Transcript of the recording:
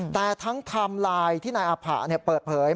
แต่ทั้งไทม์ไลน์ที่นายอาผะเปิดเผย